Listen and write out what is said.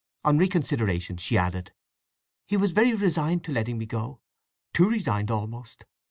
On reconsideration she added, "He was very resigned to letting me go—too resigned almost!